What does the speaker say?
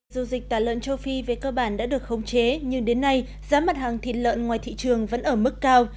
dù dịch tả lợn châu phi về cơ bản đã được khống chế nhưng đến nay giá mặt hàng thịt lợn ngoài thị trường vẫn ở mức cao